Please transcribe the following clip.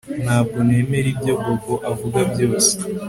Ntabwo nemera ibyo Bobo avuga byose